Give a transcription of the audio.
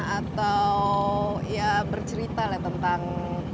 atau ya bercerita lah tentang